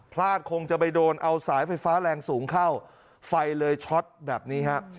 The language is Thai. พลาดคงจะไปโดนเอาสายไฟฟ้าแรงสูงเข้าไฟเลยช็อตแบบนี้ฮะ